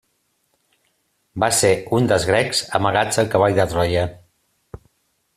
Va ser un dels grecs amagats al cavall de Troia.